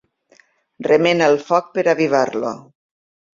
Remena el foc per avivar-lo.